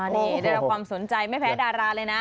นี่ได้รับความสนใจไม่แพ้ดาราเลยนะ